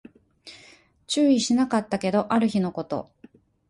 注意しなかったけど、ある日のこと